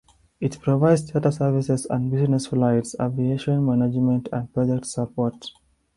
It provides charter services and business flights, aviation management and project support.